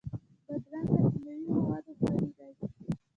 بادرنګ له کیمیاوي موادو خالي دی.